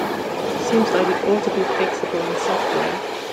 Seems like it ought to be fixable in software.